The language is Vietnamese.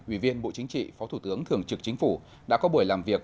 ủy viên bộ chính trị phó thủ tướng thường trực chính phủ đã có buổi làm việc